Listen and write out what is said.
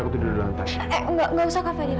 aku bukan fadil yang penyakit